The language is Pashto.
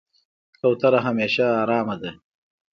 کوتره همیشه آرامه ده.